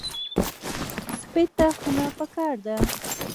سپي ته خونه پکار ده.